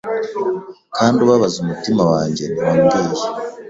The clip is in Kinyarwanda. kandi ubabaza umutima wanjye Ntiwambwiye